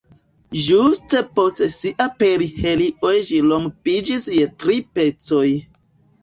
Ĝuste post sia perihelio ĝi rompiĝis je tri pecoj.